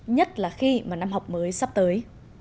nhất là khi mà năm học mới sắp tới